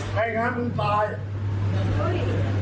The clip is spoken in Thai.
ไม่งั้นมึงตาย